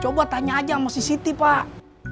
coba tanya aja sama si city pak